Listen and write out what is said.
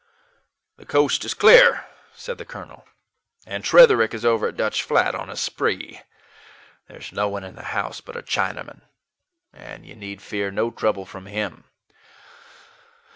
"The coast is clear," said the colonel, "and Tretherick is over at Dutch Flat on a spree. There is no one in the house but a Chinaman; and you need fear no trouble from him.